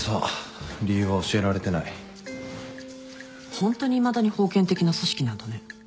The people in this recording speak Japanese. ホントにいまだに封建的な組織なんだね。